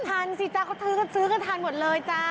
ทันสิจ๊ะเขาซื้อค่ะทันหมดเลยจ้า